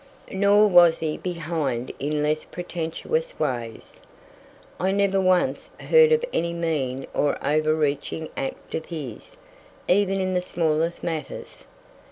Nor was he behind in less pretentious ways. I never once heard of any mean or over reaching act of his, even in the smallest matters.